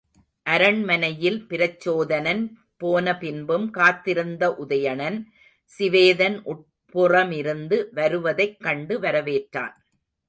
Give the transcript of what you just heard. அரண்மனையில் பிரச்சோதனன் போனபின்பும் காத்திருந்த உதயணன், சிவேதன் உட்புறமிருந்து வருவதைக் கண்டு வரவேற்றான்.